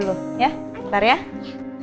bersih bersih dulu ya